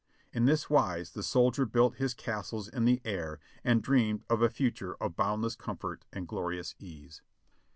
In this wise the soldier built his castles in the air and dreamed of a future of boundless comfort and glorious ease.